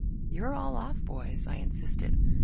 "You're all off, boys," I insisted.